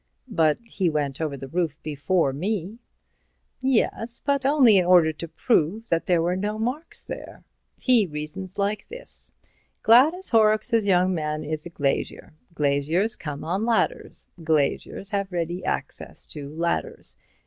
"But he went over the roof before me." "Yes, but only in order to prove that there were no marks there. He reasons like this: Gladys Horrocks's young man is a glazier. Glaziers come on ladders. Glaziers have ready access to ladders.